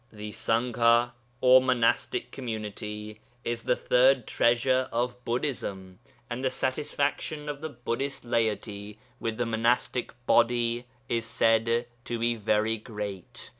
The Sangha, or Monastic Community, is the third treasure of Buddhism, and the satisfaction of the Buddhist laity with the monastic body is said to be very great.